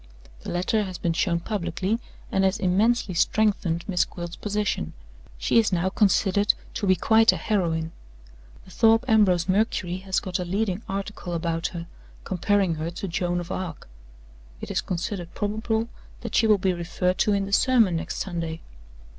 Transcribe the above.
The letter has been shown publicly, and has immensely strengthened Miss Gwilt's position. She is now considered to be quite a heroine. The Thorpe Ambrose Mercury has got a leading article about her, comparing her to Joan of Arc. It is considered probable that she will be referred to in the sermon next Sunday.